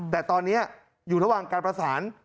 แต่ตอนนี้อยู่ระหว่างการประสาน